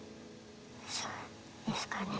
そうですかね。